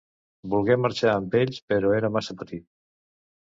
Volgué marxar amb ells, però era massa petit.